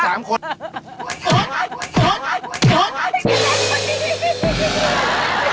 ดิกระเล่นกว่านี้